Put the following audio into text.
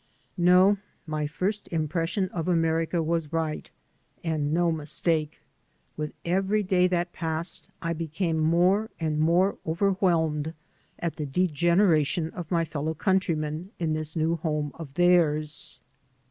'* NO, my first impression of America was right, and no mistake. With every day that passe<^ I became more and more overwhelmed at the degeneration of my fellow countrymen in this new home of theirs.